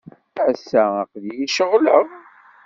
Ass-a, aql-iyi ceɣleɣ.